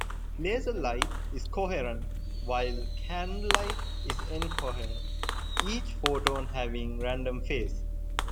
Laser light is coherent while candlelight is incoherent, each photon having random phase.